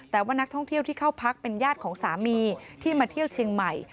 แต่ว่านักท่องเที่ยวที่เข้าพักเป็นญาติของสามีที่มาเที่ยวเชียงใหม่